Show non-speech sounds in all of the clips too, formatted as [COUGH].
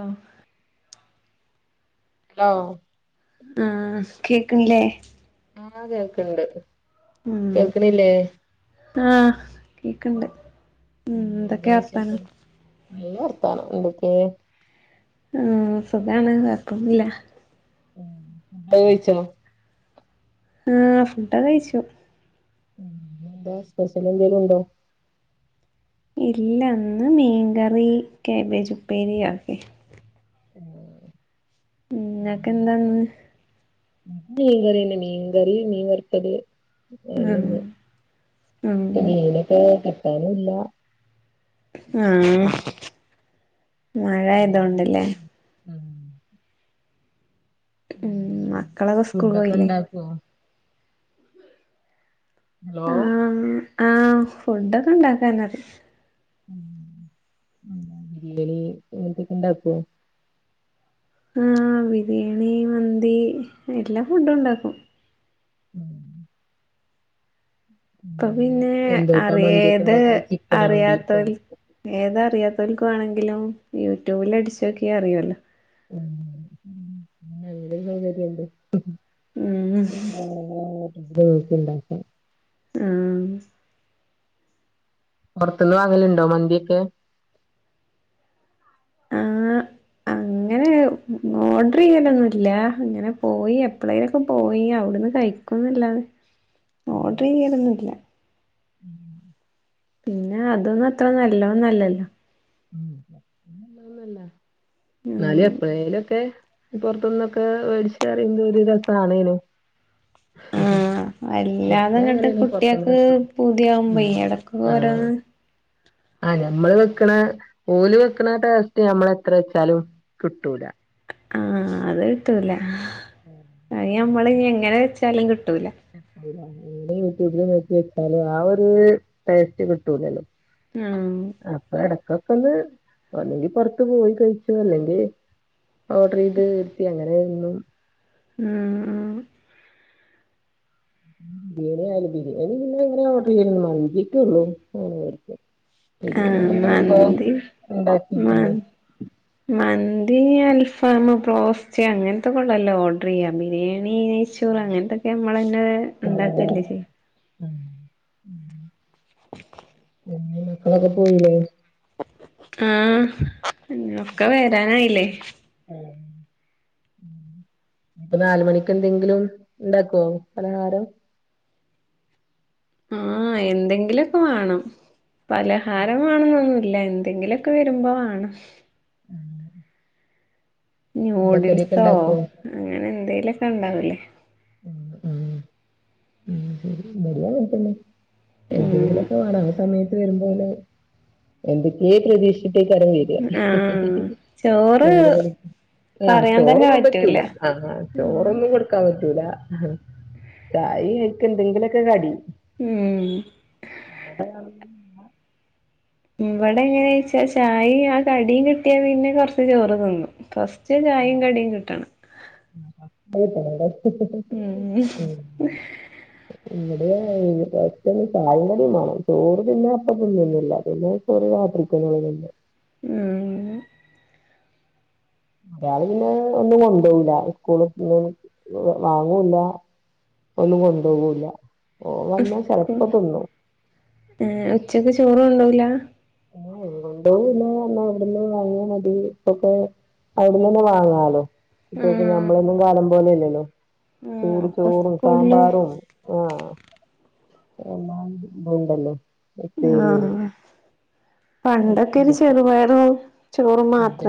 ഉം ഹലോ ഉം കേക്കണില്ലേ? ആഹ് കേക്ക്ണ്ട് ഉം കേക്ക്ണില്ലേ? ആഹ് കേക്ക്ണ്ട്. ഉം. എന്തൊക്കെ വർത്താനം? നല്ലവർത്താനം. എന്തൊക്കെ? ഉം. സുഖാണ് വർക്കൊന്നുല്ല [INAUDIBLE] അത് കഴിച്ചോ? ആഹ് ഫുഡോക്കെ കഴിച്ചു എന്താ? സ്പെഷ്യൽ എന്തേലും ഉണ്ടോ? ഇല്ല ഇന്ന് മീൻകറി, കാബേജ് ഉപ്പേരി അതൊക്കെ ഇങ്ങക്കെന്താന്ന് [INAUDIBLE] ഇന്ന് മീൻ കറിയൊണ്ട്. മീൻ കറി മീൻ വറത്തത്. ആഹ് അത് ഉം തന്നെ. ഉം മീനൊക്കെ കിട്ടാനും ഇല്ല ആഹ് മഴ അല്ലാതെ ആയതോണ്ടല്ലേ വരുന്ന [INAUDIBLE] ആഹ് ഉം മക്കളൊക്കെ സ്കൂള് പോയില്ലേ? [UNINTELLIGIBLE] ഹലോ ആഹ് ആഹ് ഫുഡൊക്കെ ഇണ്ടാക്കാനറിയാ ഉം ഉം. ബിരിയാണി ഇങ്ങനത്തൊക്കെണ്ടാക്കോ? ആഹ് ബിരിയാണി, മന്തി എല്ലാ ഫുഡുണ്ടാക്കും. ആഹ് ഇപ്പ ഉം. പിന്നെ എന്തോട്ടാ മന്തിയൊക്കെ അറിയേത് ഉണ്ടാക്കല് ചിക്കനോ ബീഫോ അറിയാത്തവരിൽ ഏത് അറിയാത്തോൽക്ക് വാണെങ്കിലും യൂട്യൂബില് അടിച്ചോക്കിയാ അറിയുവല്ലോ [UNINTELLIGIBLE] ഉം [UNINTELLIGIBLE] ആഹ് പൊറത്തുന്ന് വാങ്ങലുണ്ടോ മന്തിയൊക്കെ? ആഹ് അങ്ങനെ ഓർഡറിയ്യലൊന്നുല്ല. ഇങ്ങനെ പോയി എപ്പളേലൊക്കെ പോയി അവിടന്ന് കഴിക്കുംന്നല്ലാതെ ഓർഡറിയ്യലൊന്നും ഇല്ല ഉ പിന്നെ അതൊന്നും അത്ര നല്ലോതൊന്നല്ലല്ലോ ഉം [UNINTELLIGIBLE] നല്ലതൊന്നും അല്ല. ഇന്നാലും ഉം എപ്പളേലും ഒക്കെ പൊറത്ത്ന്നൊക്കെ വേടിച്ച അറിയുന്നത് ഒരു രസം ആണേനും. ആഹ് വല്ലാതെ ഞാന് ഇങ്ങട്ട് അങ്ങനെയാണ് കുട്ട്യോക്ക് പുറത്തുന്ന് പൂതിയാവുമ്പേ. ഉം എടക്കൊക്കേ ആഹ് ഓരോന്ന് ആഹ് ഞമ്മള് വെക്ക്ണ, ഓല് വെക്ക്ണ ടേസ്റ്റ് ഞമ്മളെത്ര വെച്ചാലും കിട്ടൂലാ. ആഹ്. അത് കിട്ടൂല. ഏ.. അയി ഞമ്മള് എങ്ങനെ വെച്ചാലും കിട്ടൂല. [INAUDIBLE] യൂട്യൂബില് നോക്കി വെച്ചാലും ആ ഒര് ടേസ്റ്റ് കിട്ടൂല്ലല്ലോ. ഉം അപ്പ എടക്കൊക്കൊന്ന്, ഒന്നെങ്കി പൊറത്ത് പോയി കഴിച്ചോ അല്ലെങ്കി ഓഡറേയ്ത് വെര്ത്തി അങ്ങനെ തിന്നും ഉം ഉം ബിരിയാണി ആയലും. ബിരിയാണി പിന്നെങ്ങനെ ഓഡർയ്യലൊന്നും [UNINTELLIGIBLE] മന്തിക്കൊള്ളു. [UNINTELLIGIBLE] ആഹ്. മന്തി. മ ഉണ്ടാക്കിയിട്ടില്ലേ മന്തി അൽഫാമ് ബ്രോസ്റ്റ് അങ്ങൻത്തൊക്കോള്ളതല്ലേ ഓർഡറെയ്യാ. ബിരിയാണി നെച്ചോറ് അങ്ങൻത്തൊക്കെ നമ്മളെന്നെണ്ടാക്കല്ലേ ചെയ്യു. ആഹ് ആഹ് പിന്നെ മക്കളൊക്കെ പോയിലേ? ആഹ്. ഒക്ക വെരാനായിലേ? ആഹ് ഇപ്പ നാലുമണിക്കെന്തെങ്കിലുണ്ടാക്കോ പലഹാരം? ആഹ് എന്തെങ്കിലൊക്കെ വേണം. പലഹാരം വേണം എന്നൊന്നും ഇല്ല എന്തെങ്കിലൊക്കെ വെരുമ്പോ വാണം. [INAUDIBLE] എണ്ണക്കടിയൊക്കെ ന്യൂഡിൽസോ ഉണ്ടാക്കുവോ അങ്ങനെന്തേലൊക്കെ ഇണ്ടാവൂലേ. ഉം ഉം ഉം ശരി [UNINTELLIGIBLE] ഉം എന്തെങ്കിലൊക്കെ വാണം. ആ സമയത്ത് വരുമ്പോലെ എന്തൊക്കെയേ പ്രതീക്ഷിച്ചിട്ടേ ആഹ് [UNINTELLIGIBLE] ചോറ് വേറെന്താണ്? ആഹ് പറയാൻ തന്നെ ചോറൊന്നും പറ്റൂല. അതാ ചോറൊന്നും കൊടുക്കാൻ പറ്റൂല. ചായി അയിക്കെന്തെങ്കിലൊക്കെ കടി. ഉം ബടെ ആളിന് ഉമ്മ ഇവടെ എങ്ങനെയേച്ചാ ചായിം ആ കടിം കിട്ട്യാ പിന്നെ കൊറച്ച് ചോറ് തിന്നും ഫസ്റ്റ്. ച് ചായിം കടിം കിട്ടണം. [UNINTELLIGIBLE] മ്മ്ഹ്.. ഇവിടെ അങ്ങനെ ഫസ്റ്റന്നെ ചായിം കടിം മാണം. ചോറ് പിന്നെ അപ്പ തിന്നോന്നുല്ല. പിന്നെ [UNINTELLIGIBLE] ഉം ഒരാള് പിന്നെ ഒന്നും കൊണ്ടോവൂല്ല. ഇസ്കൂൾ പോവും വാങ്ങൂല്ല. ഒന്നും കൊണ്ടോവൂല്ല. ഓൻ വന്നാ ചെലപ്പോ ഉസ്കൂള്. തിന്നും ഏഹ് ഉച്ചക്ക് ചോറ് കൊണ്ടോവൂല? [UNINTELLIGIBLE] കൊണ്ടോവുല്ല, ന്നാ അവ്ട്ന്ന് വാങ്ങിയാമതി. ഇപ്പോക്കെ അവുട്ന്നന്നെ വാങ്ങാലോ. ഉം കുട്ട്യോക്ക് ഞമ്മളൊന്നും കാലം പോലല്ലല്ലോ. ആഹ് ചൂട് അപ്പൊ ചോറും സ്കൂളില് സാമ്പാറും. ഓഹ്. [UNINTELLIGIBLE] ഇത്ണ്ടല്ലോ ആഹ് അതന്നെ. പണ്ടൊക്കെ ഒരു കിട്ടും ചെറുപയറ് അതെ.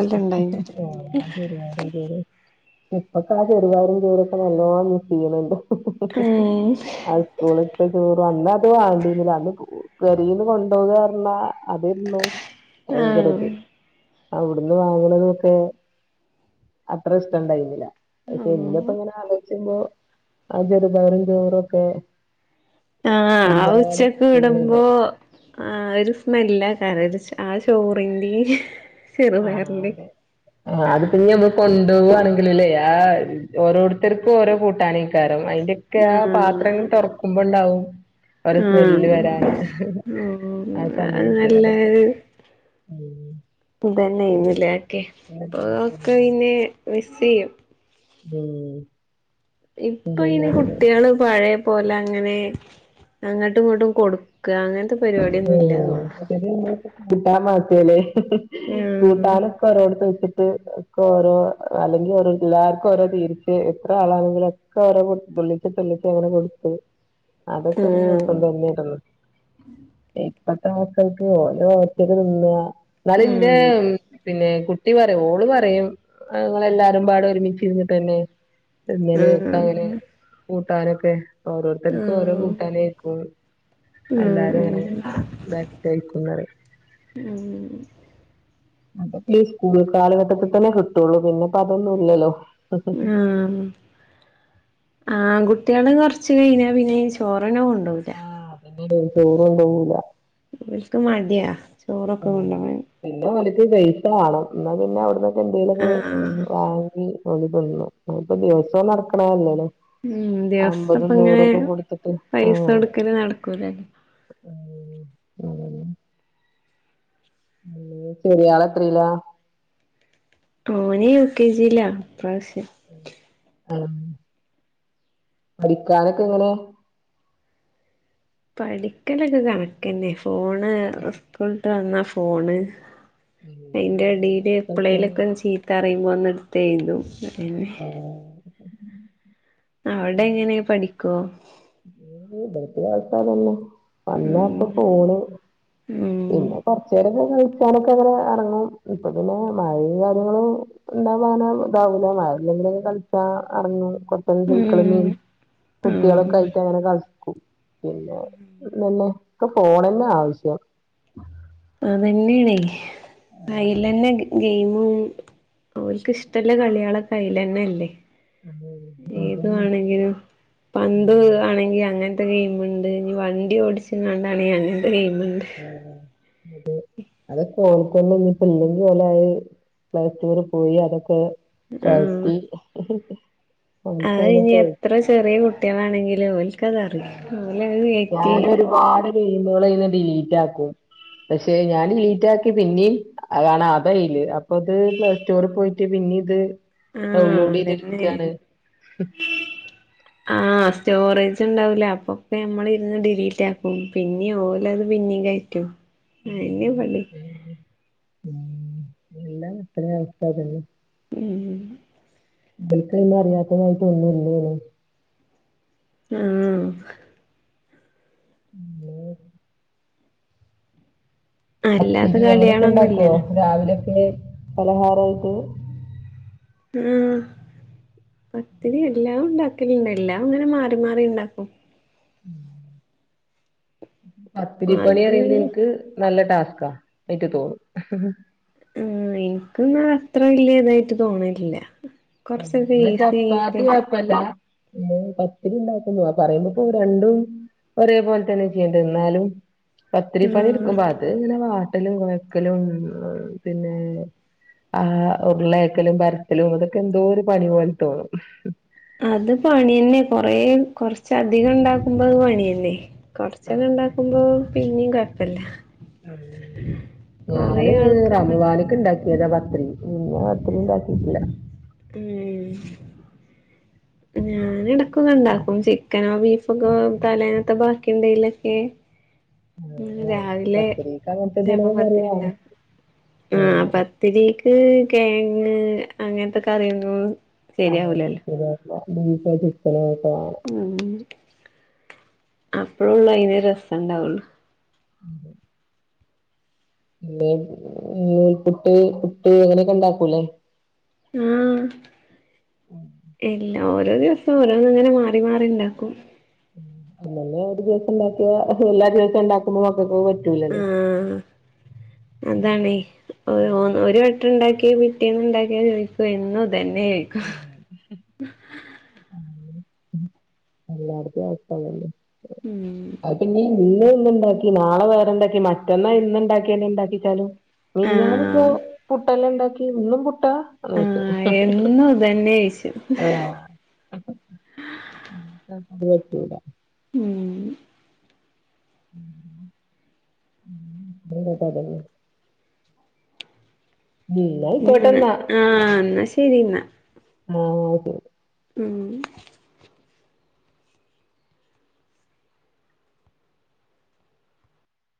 ആഹ്, അത് ശര്യാ. [UNINTELLIGIBLE] ഇപ്പത്തെ ആ. ചെറുപയറും, ചോറോക്കെ നല്ലാം മിസ്സെയ്യ്ണ് ഇണ്ട്. ഉം സ്കൂള്ത്തെ ചോറ്. അന്ന് അത് വാണ്ടീന്നിലെ. അന്ന്. പേരെന്ന് കൊണ്ടോവാർണ അതൊ ള്ളു. ആഹ്. അവിട്ന്ന് വാങ്ങ്ണതൊക്കെ അത്ര ഇഷ്ടം ഇണ്ടായിരുന്നില്ല. പിന്നെപ്പം ആഹ് ഇങ്ങനെ ആലോചുമ്പോ. ആ ചെറ് പയറും ചോറൊക്കെ. ആഹ് ആ ഉച്ചക്ക് വിടുമ്പൊ. ആ ഒരു സ്മെല്ലേക്കാരം. ഒരു ആ ചോറിന്റീ. ആ അതെ. ആ അത് പിന്നെ നമ്മള് കൊണ്ടോവാണെങ്കിലുലെ. ആഹ് ഓരോരുത്തർക്കും ഓരോ കൂട്ടാനേക്കാരം. അയ്ന്റെയ്ക്കെ ആ പാത്രങ്ങൾ ആഹ് തൊറ്ക്കുമ്പണ്ടാവും. ഓരൊ സ്മെല്ല് ആഹ് വരാന്. ഉം ആ അത് സമയത്ത് അതൊക്കെ നല്ലൊര്. ഉം ഇതന്നേണ്ലെ ഉം അതൊക്കെ. ഇപ്പ ഓക്കയ്ന് മിസ് ചെയ്യും. ഉം അതന്നെ ഇപ്പയ്ന് പറയുന്നത്. കുട്ട്യേള് പഴേ പോലെ അങ്ങനെ അങ്ങട്ടും ഇങ്ങട്ടും കൊടുക്ക. അങ്ങൻത്തെ ആ അയ്റ്റക്ക് പിന്നെ [UNINTELLIGIBLE] [UNINTELLIGIBLE] മാറ്റല്ലേ ഉം കൂട്ടാനൊക്കെ ഒരോട്ത്ത് വെച്ചിട്ട്. ക്കൊ ഓരോ അല്ലെങ്കിൽ ഓരോ എല്ലാർക്കും ഓരോ വീതിച്ച് എത്ര ആളാണെങ്കിലു ഒക്കെ ഓരോ തുള്ളി തുള്ളിച്ച് അങ്ങനെ കൊടുത്ത്. അതൊക്കെ ഒരു രസ ഉം തന്നെ തന്നെയായിരുന്നു. ഇപ്പത്തെ മക്കൾക്ക് ഓല് ഒറ്റക്ക് തിന്ന. ഇന്നാല് ഇന്റെ പിന്നെ കുട്ടി പറയും. ഓള് പറയും. ഇങ്ങള് എല്ലാരും പാടെ ഒരുമിച്ച് ഇരുന്നിട്ടെന്നെ ഉം വെല്യാേലേക്കങ്ങനെ ആഹ് കൂട്ടാനൊക്കെ ഓരോരുത്തർക്കും ഓരോ ആഹ് കൂട്ടാനേക്കും. എല്ലാരും അങ്ങനെ ഉം ബാഗ്ട്ടയ്ക്കുന്നറിം. ഉം അതൊക്കെ ഈ സ്കൂൾ കാലഘട്ടത്തിൽ തന്നെ കിട്ടൊള്ളു. പിന്നെ ഇപ്പം അതൊന്നും ഇല്ലല്ലൊ. ആ ആൺകുട്ട്യേള് കൊറ്ച്ച് കഴിഞ്ഞ പിന്നെ ഈ ചോറെന്നെ കൊണ്ടോവൂ ആഹ് അതന്നെ ചോറ് കൊറണ്ടോവൂല. വെൽക്ക് മട്യാ. ഉം പിന്നെ വെൽക്ക് പൈസ വേണം. ഇന്നാ പിന്നെ അവിട്ന്ന്. എന്തേലൊക്കെ ആഹ് വാങ്ങി ഓല് തിന്നും. [UNINTELLIGIBLE] ഇപ്പോ ദിവസവും നടക്ക്ണേല്ലെലെ. ഉം ദിവസം അമ്പതും ഇപ്പ ഇങ്ങനെ നൂറൊക്കെ കൊടുത്തിട്ട് പൈസ ആഹ് കൊടുക്കല് നടക്കൂലല്ലോ ഉം ഉം ചെറിയാളത്രീല. ഓന്. യു. കെ ജില്ല ഇ പ്രാവശ്യം. ഉം ഉം പഠിക്കാനൊക്കെ എങ്ങനെ. പഠിക്കലൊക്കെ കണക്കന്നെ. ഫോണ് ഇസ്ക്കൂള് വിട്ട് വന്നാ ഫോണ്. അയ്ന്റെ എടേല് എപ്ലേലൊക്കെ ഒന്ന് ചീത്തറിയുമ്പോ ഒന്ന് ഇടുത്തെഴുതും. ആഹ്. അവിടെ എങ്ങനെ പഠിക്കോ. ഏ ഇബെൽക്ക് വായിക്കാനൊന്നും. അല്ലാത്ത ഉം ഫോണ്. ഉം പിന്നെ കൊറച്ചേരൊക്കെ കുളിക്കാനൊക്കെങ്ങനെ എറങ്ങും ഇപ്പൊ പിന്നെ മഴയും കാര്യങ്ങളും ഉണ്ടാവാനോ ഇതാവൂല മഴയില്ലെങ്കിലൊക്കെ കളിച്ചാ എറങ്ങും ഒരു ചേക്ക്ള്ള ഉം മീൻ ഉം കുട്ടിയോളൊക്കായി ങ്ങനെ കളിക്കും പിന്നെ ന്നന്നെ ഒക്കെ ഫോണന്നെ ആവശ്യം അതന്നെയാണേ അയ്ലെന്നെണ്ട് ഗെയിമും ഓൽക്ക്ഷ്ടല്ല കളികള് ഒക്കെ അയ്ലെന്നെ ഉണ്ട് ഏതു വാണെങ്കിലും പന്ത് ആണെങ്കി അങ്ങ ൻത്തെ ഗെയിമ്ണ്ട് ഇനി വണ്ടി ഓടിച്ച്കാണ്ടാണെ അങ്ങൻത്തെ ഗെയിമുണ്ട് ആഹ് അതെ അതൊക്കെ ഓൽക്കന്നെ ഞ്ഞി പ്പ ഇല്ലെങ്കി ഓലായി പ്ലേ സ്റ്റോർ പോയി അതൊക്കെ ആഹ് കയ്റ്റി അത് ഇഞ്ഞി എത്ര ചെറിയ കുട്ടികളാണെങ്കിലും ഓൽക്കതറിയും ഓലത് കയ്റ്റി കുഞ്ഞിമോളയ്ന്ന് ഡിലീറ്റാക്കും പക്ഷെ ഞാൻ ഡിലീറ്റാക്കി പിന്നെയും അതാണ് അതയില് അപ്പൊ അത് പ്ലേ സ്റ്റോറി പോയിട്ട് പിന്നെ ഇത് ആഹ് ഡൗൺലോഡയ്ത് അതന്നെ ഇട്ക്കാണ് [INAUDIBLE] ആഹ് സ്റ്റോറേജ് ഇണ്ടാവൂല അപ്പൊക്കെ നമ്മള് ഇരുന്ന് ഡിലീറ്റ് ആക്കും പിന്നിം ഓലത് പിന്നിം കയ റ്റും ഉം. അതന്നെ പണി പിന്നെ, ഉം എല്ല കുട്ടികളേം അവസ്ഥ അതെന്നെ ഉം ബൽക്കയിൽ അറിയാത്തതായിട്ട് ഒന്നുല്ലേനും ആഹ് ആഹ് ഹലോ അല്ലാത്ത പത്തിരി അങ്ങനെയൊക്കെ കളികളൊന്നും ഇണ്ടാക്കോ ഇല്ലല്ലോ രാവിലക്ക് പലഹാരായിട്ട് ഉം പത്തിരി എല്ലാം ഉണ്ടാക്കലുണ്ട് എല്ലാം അങ്ങനെ മാറി മാറി ഇണ്ടാക്കും ഉം പത്തിരിപ്പണി അത് അറിയുന്നത് ഇൻക്ക് നല്ല ടാസ്ക്കാ ആയിട്ട് തോന്നും ഉം ഇൻക്ക് ന്നാ അത്ര വല്ല്യ ഇതായിട്ട് തോന്നലില്ല കൊറച്ചൊക്കെ ന്ന ഈസി ചപ്പാത്തി ആയിട്ട് കൊഴപ്പല്ല പത്തിരി ഇണ്ടാക്കുന്നു പറയുമ്പോക്ക് അത് രണ്ടും ഒരേ പോലെ തന്നെ ചെയ്യേണ്ടത് ന്നാലും പത്തിരി പണി ആഹ് എടുക്കും ബാ അത് ഇങ്ങനെ വാട്ടലും കൊയക്കലും പിന്നെ ആ ഉരുളേക്കലും പരത്തലും അതൊക്കെ എന്തോ ഒരു പണി പോലെ തോന്നും അത് പണി തന്നെ കൊറെ കൊറച്ച അധികം ഉണ്ടാക്കുമ്പോ അത് പണിയന്നെ കൊറച്ചൊക്കെ ഉണ്ടാക്കുമ്പോ പിന്നിം കൊഴപ്പല്ല ആഹ് കൊറേ ഞാന് ആൾക്ക് ഇണ്ട റമളാന് ക്ക് ഇണ്ടാക്കിയതാ പത്തിരി പിന്നെ പത്തിരി ഇണ്ടാക്കിയിട്ടില്ല ഉം ഞാന് ഇടക്കൊക്കെ ഇണ്ടാക്കും ചിക്കനോ ബീഫൊക്കെ തലേന്നത്തെ ബാക്കി ഉണ്ടേലൊക്കെ [INAUDIBLE] ഇന്ന് രാവിലെ പത്തിരിക്ക് അങ്ങനത്തെ ഇതേപോലെ എന്തെങ്കിലൊക്കെ കറി പത്തിരി വേണം ഉണ്ടാക്കി ആഹ് ഉം. പ ത്തിരിക്ക് കെയങ്ങ് അങ്ങനത്തെ കറികൾ ആഹ് ശരിയായിട്ടില്ല ബീഫോ ചിക്കാനോ ഉണ്ടാവും ഉം അപ്പഴള്ളൂ അയിന് ഒരു രസം ഉണ്ടാവുള്ളു അതെ പിന്നെ നൂൽപുട്ട് പുട്ട് അങ്ങനെയൊക്കെ ഉണ്ടാക്കൂലെ. ആഹ് ഇല്ല ഓരോ ദിവസം ഓരോന്ന്. ഇങ്ങനെ മാറി മാറി ഇണ്ടാക്കും. അല്ലെലെ ഒരു ദിവസം ഇണ്ടാക്ക്യ എല്ലാ ദിവസം ഇണ്ടാക്കുമ്പം മക്കക്ക് പറ്റ ആഹ് അതാണെ. ഒരു വട്ടം ഇണ്ടാക്ക്യ. പിറ്റേന്ന് ഇണ്ടാക്ക്യ ചോദിക്കു എന്നു ഇതന്നെ ചോയ് ഉം. ഉം എല്ലായിടത്തും അവസ്ഥ ഇതെന്നെ. ഉം അത് പിന്നെ ഇന്ന് ഒന്നുണ്ടാക്കി. നാളെ വേറെ ഇണ്ടാക്കി. മറ്റന്നാള് ഇന്ന് ഇണ്ടാക്ക്യന്നെ ഇണ്ടാക്കിച്ചാലും. മിനിഞ്ഞാനിപ്പോ ആഹ് പുട്ടെല്ലെ ഇണ്ടാക്ക്യ. ഇന്നും പുട്ട എന്ന് ചോയ്ച്ചു. തന്നേയ്ച്ചും. ഉം അപ്പോൽക്ക് ഇത് പറ്റൂല. ഉം ഉം [INAUDIBLE] ഉം ന്നാ ഉം ആയിക്കോട്ടെന്നാ ആഹ് ഇന്നാ ശെരി ഇന്നാ. മോത് ഉം